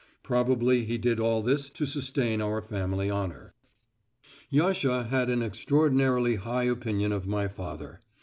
Probably he did all this to sustain our family honour. Yasha had an extraordinarily high opinion of my father.